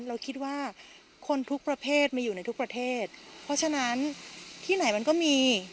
เราคิดว่าคนทุกประเภทมาอยู่ในทุกประเทศเพราะฉะนั้นที่ไหนมันก็มี